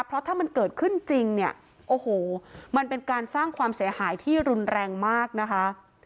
เพราะถ้ามันเกิดขึ้นจริงเนี่ยโอ้โหมันเป็นการสร้างความเสียหายที่รุนแรงมากนะคะ